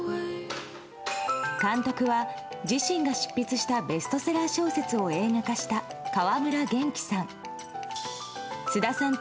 監督は自身が執筆したベストセラー小説を映画化した川村元気さん。